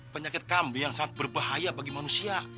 penyakit kambing yang sangat berbahaya bagi manusia